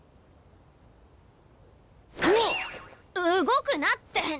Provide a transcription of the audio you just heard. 動くなって！